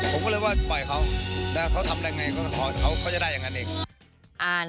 ผมก็เลยว่าปล่อยเขาถ้าเขาทำได้ไงเขาก็จะได้อย่างนั้นเอง